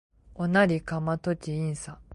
ona li kama toki insa.